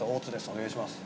お願いします